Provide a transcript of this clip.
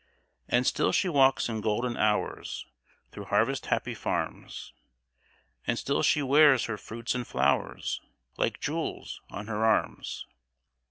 "And still she walks in golden hours Through harvest happy farms, And still she wears her fruits and flowers, Like jewels on her arms.